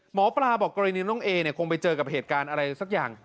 หมอปลาบอกกรณีน้องเอเนี่ยคงไปเจอกับเหตุการณ์อะไรสักอย่าง